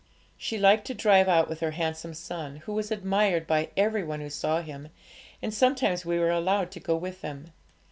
She liked to drive out with her handsome son, who was admired by every one who saw him, and sometimes we were allowed to go with them.